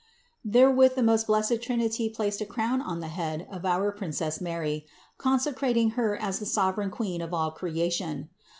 Therewith the most blessed Trinity placed a crown on the head of our Princess Mary, consecrat ing Her as the sovereign Queen of all creation.